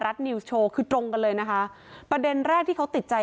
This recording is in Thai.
นิวส์โชว์คือตรงกันเลยนะคะประเด็นแรกที่เขาติดใจ